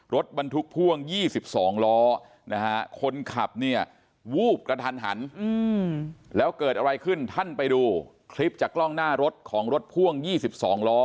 รถบรรทุกพ่วง๒๒ล้อนะฮะคนขับเนี่ยวูบกระทันหันแล้วเกิดอะไรขึ้นท่านไปดูคลิปจากกล้องหน้ารถของรถพ่วง๒๒ล้อ